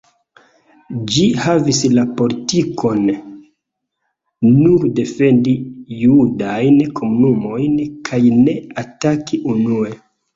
Ĝi havis la politikon nur defendi judajn komunumojn kaj ne ataki unue.